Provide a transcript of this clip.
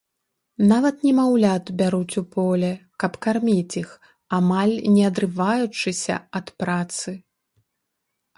Нават немаўлят бяруць у поле, каб карміць іх, амаль не адрываючыся ад працы.